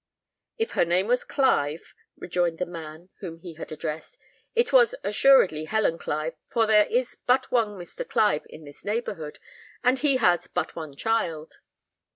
"If her name was Clive," rejoined the man whom he had addressed, "it was assuredly Helen Clive; for there is but one Mr. Clive in this neighbourhood, and he has but one child."